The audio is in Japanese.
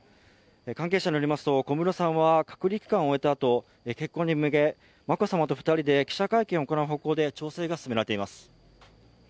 関係者によりますと、小室さんは隔離期間を終えたあと結婚に向け、眞子さまと２人で記者会見を行う方向で調整が進められています。